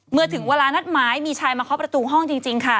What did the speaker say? เมื่อถึงเวลานัดหมายมีชายมาเคาะประตูห้องจริงค่ะ